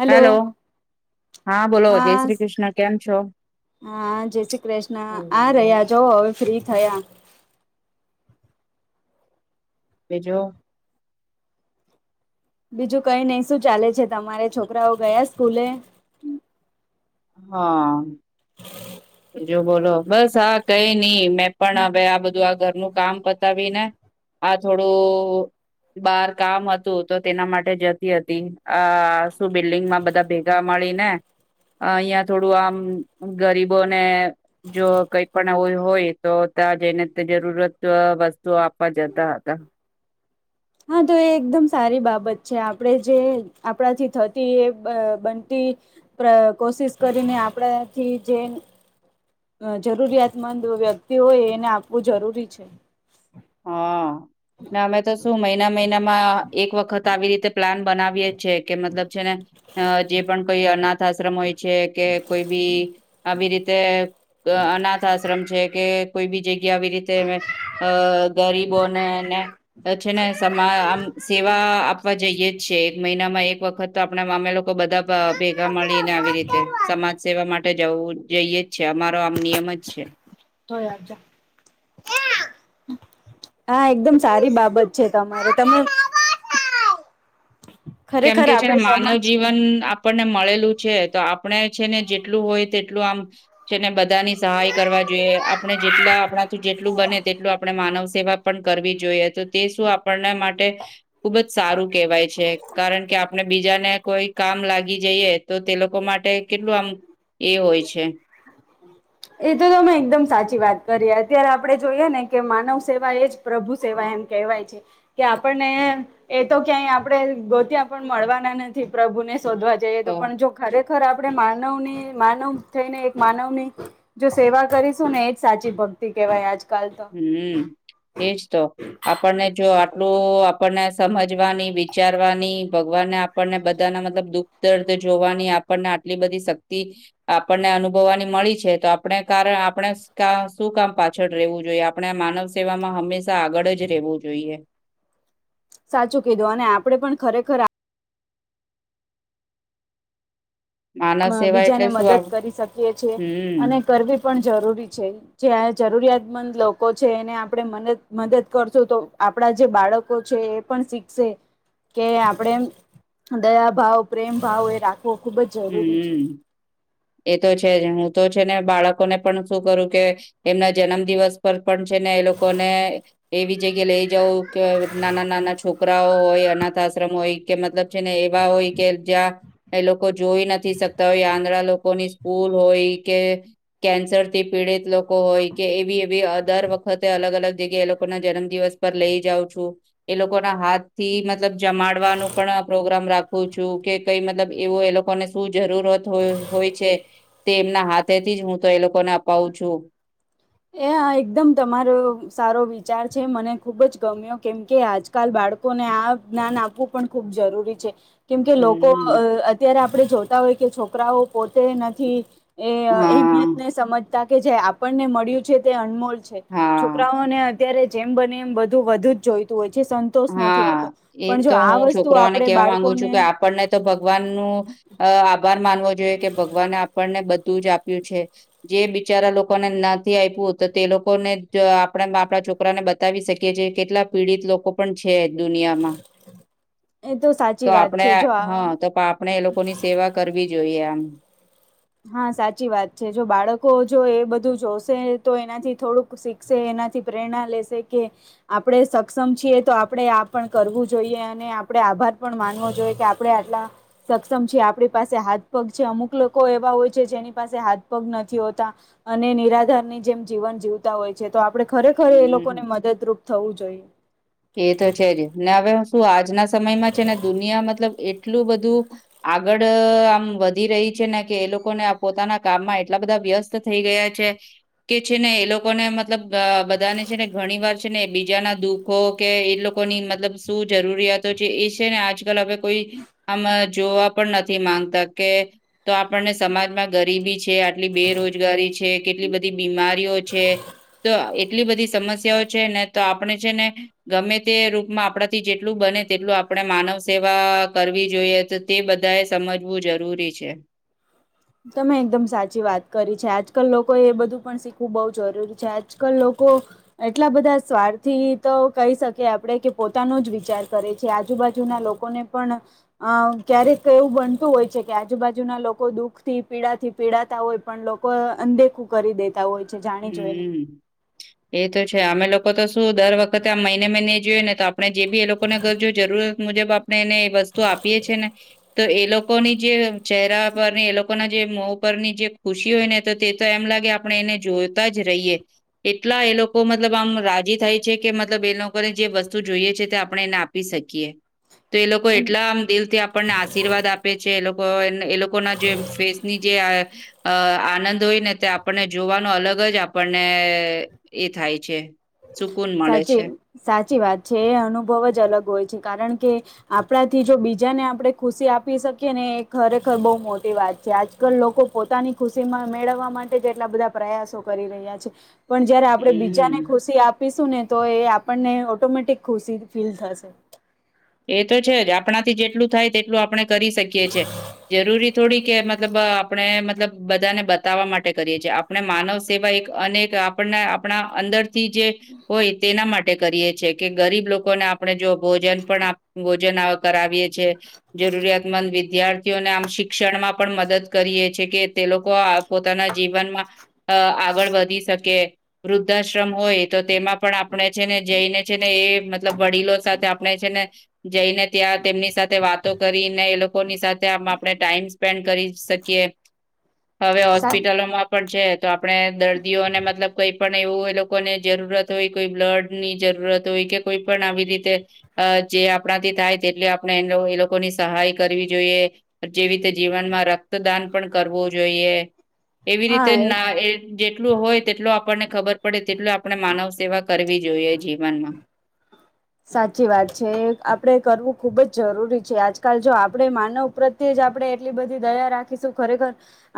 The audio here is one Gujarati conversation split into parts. હલો, હેલો હા બોલો જય હા, શ્રી કૃષ્ણ કેમ છો હા જય શ્રી કૃષ્ણ આ રહ્યા જ હવે ફ્રી થયા. બીજું. બીજું કઈ ની શું ચાલે છે, તમારે છોકરાઓ ગયા સ્કૂલે હા જો બોલો બસ આા કઈ ની મેં પણ હવે આ બધું આ ઘરનું કામ પતાવી ને આ થોડું બાર કામ હતું તો તેના માટે જતી હતી આ બિલ્ડિંગમાં બધા ભેગા મળી ને ને, અહિયાં થોડું આમ ગરીબ બોને જો કઈ પણ આવું હોય તો ત્યાં જઈને જરૂરત વસ્તુઓ આપવા જતા હતા હા, તો એ એકદમ સારી બાબત છે આપણે જે આપણાથી થતી એ બનતી કોશિશ કરીને આપણાથી જે જરૂરિયાતમંદ વ્યક્તિ હોય એને આપવું જરૂરી છે હા ને અમે તો શું મહિના, મહિનામાં એક વખત આવી રીતે પ્લાન બનાવીએ છે કે મતલબ છે ને જે પણ કોઈ અનાથ આશ્રમ હોય છે, કે કોઈ બી આવી રીતે અનાથ આશ્રમ છે કે કોઈ બી જગ્યા આવી રીતે અ, અ ગરીબોનેને છે ને સમા આમ સેવા આપવા જઈએ છીએ, એક મહિનામાં એક વખત તો આપણા મામે લોકો બધા ભેગા મળીને, આવી રીતે, સમાજ સેવા માટે જવું જઈએ છીએ. અ આમ નિયમ જ છે. હા એકદમ સારી બાબત છે તમારે તમે કેમ ખરેખર કે છે ને આપણે માનવ સમજ જીવન આપણને મળેલું છે તો આપણે છે ને જેટલું હોય તેટલું આમ છે ને બધાની સહાય કરવા જોઈએ. આપણે જેટલા આપણાથી જે જેટલું બને તેટલું આપણે માનવ સેવા પન કરવી જોઈએ, તો તે સુ આપણને માટે ખુબ જ સારું કહેવાય છે. કારણ કે આપણે બી બીજાને કોઈ કામ લાગી જઈએ, તો તે લોકો માટે કેટલું આમ, એ હોય છે. એ તો તમે એકદમ સાચી વાત કરી. અત્યારે આપણે જોઈએ ને કે માનવ સેવા એ જ પ્રભુ સેવા એમ કહેવાય છે, કે આપણને એ તો ક્યાંય આપણે ગોત્યા પણ મળવાના નથી. પ્રભુને શોધવા જઈએ તો પણ, જો ખરે ખર આપણે માનવની, માનવ થઈને, એક માનવની જો સેવા કરીસું ને, એજ સાચી ભક્તિ કેહેવાય આજ હમ એજ તો. આપણને જો તો આપણને આ સમાજ વાની, વિચારવાની ભગવાને આપણને બધાના મતલબ દુઃખ દર્દ જોવાની, આપણને આટલી બધી સક્તિ આપણને અનુભવાની મળી છે તો આપણે કાર આપણે કાર આપણે સુ કામ પાછળ રેવું જોઈએ. આપણે માનવ સેવામાં હંમેસા આગળ જ રહેવું જોઈએ. સાચું કીધું અને આપડે પણ ખરેખર માનવ અ સેવા બીજાને એટલે શું મદદ આપ- કરી સકીએ છે. અને હમ કરવી પણ જરૂરી છે. જે જરૂરિયાતમંદ લોકો છે એને આપણે મદદ, મદદ કરસુ તો, આપણા જે બાળકો છે એ પણ સીખસે કે આપણે દયાભાવ, પ્રેમભાવ એ રાખ ખુબ જરૂરી હમ. એ તો છે. હું તો છે ને, બાળકોને પણ શું કરું કે એમના જન્મ દિવસ પર પણ છે ને એ લોકોને એવી જગ્યા લઈ જઉં ક નાના નાના છોકરાઓ હોય, અનાથ આશ્રમ હોય કે મતલબ છે ને એવા હોય કે જ્યાં એ લોકો લોકો જોઈ નથી શકતા હોય. આંધળા લોકોની સ્કૂલ હોય, કે કેન્સરથી પીડિત લોકો હોય, કે એવી એવી દર વખતે અલગ અલગ જગ્યાએ, એ લોકોના જન્મ દિવસ પર લઈ જાઉં છું. એ લોકોના હાથથી મતલબ જમાડવાનું પણ પ્રોગ્રામ રાખું છું, કે કઈ મતલબ એવું એ લોકોને શું જરૂરત હોય હોય છે, તે એમના હાથેથી જ હું તો એ લોકોને અપાવું છું. એ આ એકદમ તમારો સારો વિચાર છે. મને ખુબ જ ગમ્યો, કેમકે આજકાલ બાળકોને આ જ્ઞાન આપવું પણ ખૂબ જરૂરી છે. કેમ કે લોકો હમ અ અત્યારે આપ આપણે જોતા હોય કે છોકરાઓ પોતે નથી એ હા અહેમિયતને સમજ જતા કે જે આપણને મળ્યું છે તે અનમોલ છે, હા છોકરાઓને અ અત્યારે જેમ બને એમ બધું વધુ જ જોઈતું હોય છે સંતોષ નથી હા હોતો એ પણ તો જો આ હું વસ્તુ છોકરાઓને આપણે કેવા માંગુ બાળકોને છું કે આપણને તો ભગવાનનું અ આભાર માનવો જોઈએ કે ભગવાને આપણને બધ ધું જ આપ્યું છે. જે બિચારા લોકોને નથી આયપુ, તે લોકોને આપણે, આપણા છોકરાને બતાવી સકીએ કેટલા પીડિત લોકો પણ છે. દુનિયામાં, એ તો સાચી વાત આપણે છે જો આ હા તો આપણે એ લોકોની સેવા કરવી. જોઈએ એમ હા સાચી વાત છે જો બાળકો જો એ બધું જોશે તો એનાથી થોડુંક શીખશે એનાથી પ્રેરણા લેશે કે, આપણે સક્ષમ છીએ તો આપણે આ પણ કરવું જોઈએ અને આપણે આભાર પણ માનવો જોઈએ કે આપણે આટલા, સક્ષમ છીએ આપણી પાસે હાથ પગ છે અમુક લોકો [unintelligible] ખરેખર એ હમ લોકોને મદદરૂપ થવું જોઈએ. તુ આજ ગણા સમયમાં છેને દુનિયા મતલબ એટલું બધું આગળ આમ વધી રહી છે ને કે એ લોકોને આ પોતાના કામમાં એટલા બધા વ્યસ્ત થઈ ગયા છે, કે છે ને એ લોકોને મતલબ બધાને છે ને ઘણી વાર છે ને બીજા ના દુઃખ હો કે લોકોની મતલબ શું જરૂરિયાતો છે એ છે ને આજકાલ હવે કોઈ, આમાં જોવા પણ નથી માંગતા કે, તો આપણને સમાજમાં ગરીબી છે. કે આટલી બેરોજગારી છે. કેટલી બધી બીમારીઓ છે તો એટલી બધી સમસ્યાઓ છે ને તો આપણે છે ને ગમે તે રૂપમાં આપડાથી જેટલું બને તેટલું આપણે માનવ સેવા કરવી જોઈએ તો તે બધા એ સમજવું જરૂરી છે તમે એકદમ સાચી વાત કરી છે, આજકાલ લોકો એ બધું પણ શીખવું બહુ જરૂરી છે, આજકાલ લોકો એટલા બધા સ્વાર્થી તો કહી શકે આપણેે કે પોતાનો જ વિચાર કરે છે આજુબાજુના લોકોને પણ અ ક્યારેક એવું બનતું હોય છે કે આજુબાજુના લોકો દુઃખ થી પીડા થી પીડાતા હોય પણ લોકો અનદેખું કરી દેતા હોય છે જાણી જોઈને હું, એ તો છે અમે લોકો તો શું દર વખતે આવખત, મહિને, મહિને જોઈએ ને તો આ અને જે બી એ લોકોને અગરજો જરૂર મુજબ બાપ એને એ વસ્તુ આપીએ છે ને તો એ લોકોની જે ચહેરા પર ની એ લોકોના જે મો પરની જે ખુશી હોય ને તો તે એમ લાગે આપણે એને જોય તા જ રહીએ, એટલા એ લોકો મતલબ આમ રાજી થાય છે કે મતલબ એ લોકોને જે વસ્તુ જોઈએ છે તે આપણે એને આપી શકીએ તો એ લોકો એટલા આમ દિલથી આપણને આશીર્વાદ આપે છે એ લોકો [unintelligible] એ લોકો ના જે ફેસ ની જે અ આનંદ હોય ને તે આપણને જોવાનું અલગ મગજ આપણને એ થાય છે સુકૂન મળે છે સાચી સાચી વાત છે એ અનુભવ જ અલગ હોય છે કારણ કે આપણાથી જો બીજાને આપણે ખુશી આપી શકીએ ને એ ખરેખર બહુ મોટી વાત છે, આજકાલ લોકો પોતાની ખુશીમાં મેળવવા માટે એટલા બધા પ્રયાસો કરી રહ્યા છે. પણ જયારે આપડે બીજાને હમ ખુશી આપીશું ને તો એ આપણને ઓટોમેટિક ખુશી ફીલ થશે. એ તો છે જ આપણા થી જેટલું થાય તેટલું આપણે કરી શકીએ છે, જરૂરી થોડીક મતલબ આપણે મતલબ બધાને બતાવવા માટે કરીએ છીએ આપણે માનવ સેવા એક અનેક આપણને આપણા અંદર થી જે, હોય તેના માટે કરીએ છી કે ગરીબ લોકોને આપણે જો ભોજન પણ આપ ભોજન કરાવીએ છે, જરૂરિયાતમંદ વિદ્યાર્થીઓને આમ શિક્ષણમાં પણ મદદ કરીએ છે કે તે લોકો પોતાના જીવનમાં, આગળ વધી શકે, વૃદ્ધાશ્રમ હોય તો તેમાં પણ આપણે છે ને જઈને છે એ મતલબ વડીલો સાથે આપણે છે ને જઈને ત્યાં તેમની સાથે વાતો કરીને એ લોકોની સાથે આપણે ટાઈમ સ્પેન્ડ કરી શકીએ. હવે સા હોસ્પિટલોમાં પણ છે તો આપણે દર્દીઓને મતલબ કઈ પણ એવું એ લોકોને જરૂરત હોય કોઈ બ્લડ ની જરૂરત હોય કે કોઈ પણ આવી રીતે, જે આપણાથી થાય તેટલે આપણે એ લોકોની સહાય કરવી જોઈએ, જેવી રીતે જીવનમાં રક્તદાન પણ કરવું જોઈએ. એવી હા રીતે એ ના જેટલું હોય તેટલ આપણને ખબર પડે તેટલો આપણે માનવ સેવા કરવી જોઈએ જીવનમાં. સાચી વાત છે એ આપણેે કરવું ખુબ જ જરૂરી છે આજકાલ જો આપણે માનવ પ્રત્યે જ આપણે એટલી બધી દયા રાખીશું ખરેખર,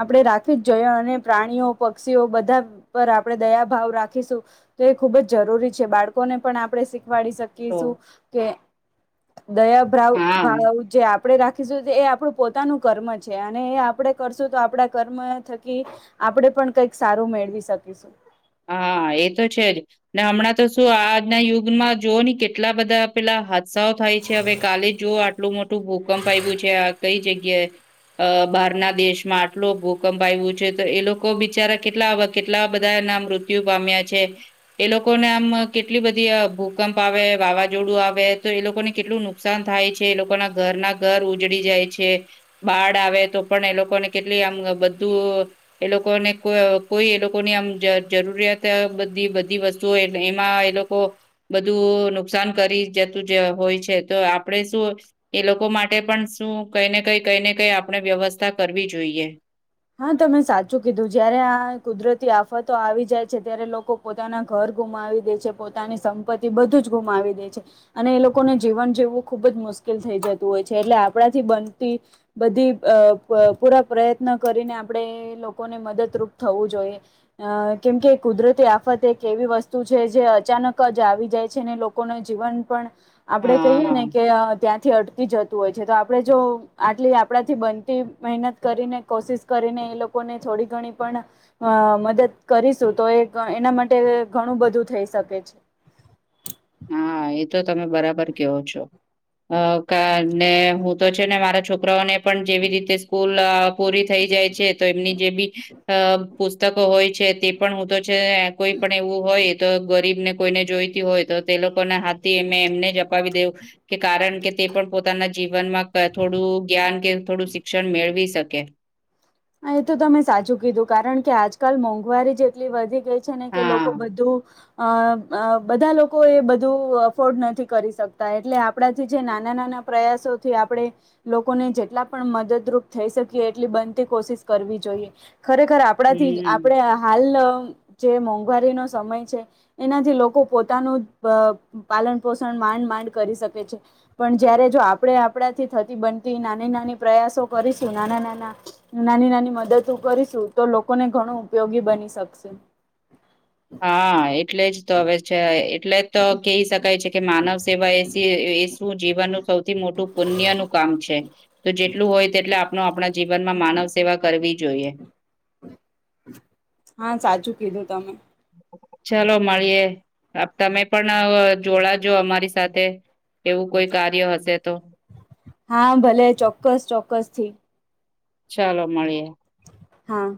આપણે રાખવી જ જોઈએ અને પ્રાણીઓ પક્ષીઓ બધા પર આપણે દયા ભાવ રાખીશું, તો એ ખુબ જ જરૂરી છે બાળકોને પણ આપણે શીખવાડીશ તો કીશું, કે દયા ભાવ હા ભાવ જે આપ આપણે રાખીશું એ આપણું પોતાનું કર્મ છે અને એ આપણે કરશું તો આપડા કર્મ થકી, આપણેે પણ કઈક સારું મેળવી શકીશું. હા એ તો છે જ. હમણાં તો શું આજના યુગ જો કેટલા બધા પેલા હાથ ત્સા થાય છે હવે કાલે જ આટલું મોટું ભૂકંપ આવ્યું છે કઈ જગ્યા બહાર ના દેશમાં આટલો ભૂકંપ આવ્યું છે તો એ લોકો બિચારા કેટલા કેટલા બધા નામ- મૃત્યુ પામ્યા છે, એ લોકોને આમ કેટલી બધી ભૂકંપ આવે વાવાઝોડું આવે તો એ લોકોને કેટલું નુકસાન થાય છે એ લોકોના ઘરના ઘર ઉજળી જાય છે, બાળ આવે તો પણ એ લોકોને કેટલી આમ બધું એ લોકોને કોઈ એ લોકોની આમ જરૂરિયાત બધી બધી વસ્તુઓ એમાં એ લોકો, બધું નુકસાન કરી જતું હોય છે તો આપણે શું, એ લોકો માટે પણ શું કઈ ને કઈ કઈ ને કઈ આપણે વ્યવસ્થા કરવી જોઈએ. હા તમે સાચું કીધું જયારે આ કુદરતી આફતો આવી જાય છે ત્યારે લોકો પોતાના ઘર ગુમાવી દે છે પોતાની સંપત્તિ બધું જ ગુમાવી દે છે, અને એ લોકોને જીવન જીવવું ખૂબ જ મુશ્કેલ થઈ જતું હોય છે એટલે આપણાથી બનતી, બધી પૂરા પ્રયત્ન કરીને આપણે લોકોને મદદરૂપ થવું જોઈએ, કેમકે કુદરતી આફત એક એવી વસ્તુ છે જે અચાનક જ આવી જાય છે અનેને લોકોનું જીવન પણ આપડે કહીયએ હા ને કે ત્યાં થી અટકી જતું હોય છે તો આપણે જો આટલી આપણાથી બનતી મહેનત કરીને કોશિશ કરીને એ લોકોને થોડી ઘણી પણ, મદદ કરીશું તો એ એના માટે ઘણું બધું થઈ શકે છે. હા એ તો તમે બરાબર કેવો છોને, હું તો છે ને મારા છોકરાઓને પણ જેવી રીતે સ્કૂલ પૂરી થઈ જાય છે તો એમની જે બી, પુસ્તકો હોય છે તે પણ હું તો કોઈ પણ એવું હોય તો ગરીબ ને કોઈને જોઈતી હોય તો તે લોકોને હાથથી એ એમને જ અપાવી દેવું, કે કારણ કે તે પણ પોતાના જીવનમાં થોડું જ્ઞાન કે થોડું શિક્ષણ મેળવી શકે. હા એ તો તમે સાચું કીધું કારણ કે આજકાલ મોંઘવારી જેટલી વધી ગઈ છે છે ને કે લોકો હા બધું અ બધા લોકો એ બધું અફોર્ડ નથી કરી શકતા એટલે આપણાથી જે નાના નાના પ્રયાસોથી આપણે, લોકોને જેટલા પણ મદદરૂપ થઈ શકીએ એટલી બ કોશિશ કરવી જોઈએ. ખરેખર આપણાથી હમ્મ. આપડે હાલ જે મોંઘવારીનો સમય છે, એનાથી લોકો પોતાનું પાલન પોષણ માંડ માંડ કરી શકે છે, પણ જય્યારે જો આપણે આપણાથી થતી બનતી નાની નાની પ્રયાસો કરીશું નાના નાના. નાની નાની મદદ કરીશું તો લોકોને ઘણું ઉપયોગી બની શકશે. હા એ એટલે જ તો હવે છે એટલે જ તો કહી શકાય છે કે માનવ સેવા એ એ શું જીવન ન સૌ થી મોટું પુણ્ય નું કામ છે, તો જેટલું હોય તેટલે ું આપણે જીવન માં માનવ સેવા કરવી જોઈએ. હા સાચું કીધું તમે. ચલો મળીએે, તમે પણ જોડાજો અમારી સાથે, એવું કોઈ કાર્ય હશે તો. હા ભલે ચોક્કસ ચોક્કસથી. ચાલો મળીએ. હા.